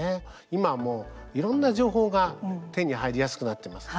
今もう、いろいろな情報が手に入りやすくなっています。